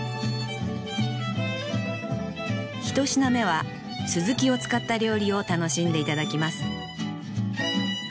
一品目は鱸を使った料理を楽しんで頂きます